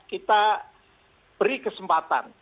kita beri kesempatan